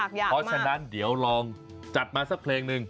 เพราะฉะนั้นเดี๋ยวลองจัดมาสักเพลงหนึ่ง